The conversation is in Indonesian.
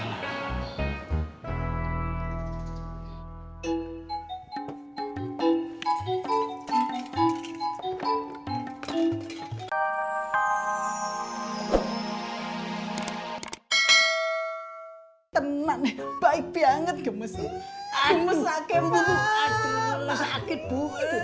tenang baik banget gemes gemes sakit bu